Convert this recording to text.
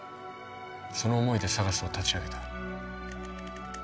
その思いでＳＡＧＡＳを立ち上げた。